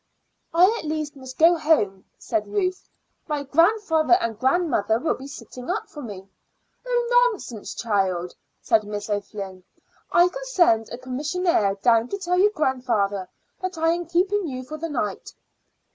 "I at least must go home," said Ruth. "My grandfather and grandmother will be sitting up for me." "Oh, nonsense, child!" said Miss O'Flynn. "I can send a commissionaire down to tell your grandfather that I am keeping you for the night."